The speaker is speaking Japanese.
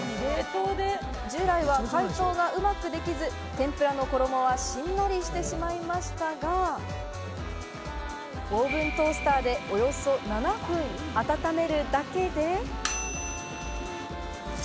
従来は解凍がうまくできず、天ぷらの衣はしんなりしてしまいましたが、オーブントースターで、およそ７分温めるだけで。